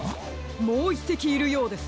もう１せきいるようです。